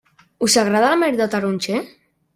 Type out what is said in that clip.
Us agrada la mel de taronger?